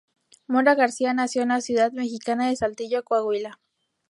Mora García nació en la ciudad mexicana de Saltillo, Coahuila.